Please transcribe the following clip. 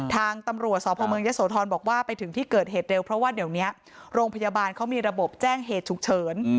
ทางตำรวจสพเมืองยะโสธรบอกว่าไปถึงที่เกิดเหตุเร็วเพราะว่าเดี๋ยวนี้โรงพยาบาลเขามีระบบแจ้งเหตุฉุกเฉิน